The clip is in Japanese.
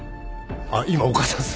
あっ今お母さん。